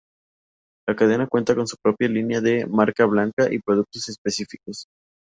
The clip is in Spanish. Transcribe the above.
La cadena cuenta con su propia línea de marca blanca y productos específicos.